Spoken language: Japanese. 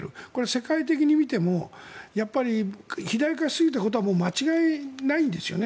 世界的に見ても肥大化しすぎたことは間違いないんですね。